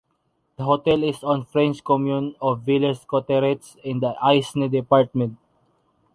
The hotel is on the French commune of Villers-Cotterêts, in the Aisne department.